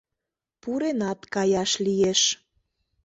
Пуренат каяш лиеш.